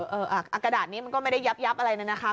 เออเออเอออ่ะกระดาษนี้มันก็ไม่ได้ยับอะไรเลยนะคะ